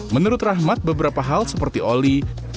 menurut rahmat beberapa hal seperti oli